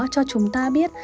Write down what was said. cho chúng ta biết